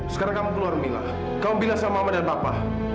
sekarang kamu keluar mila kamu bilang sama mama dan papa